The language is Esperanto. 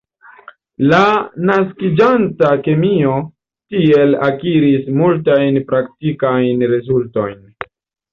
La naskiĝanta kemio tiel akiris multajn praktikajn rezultojn.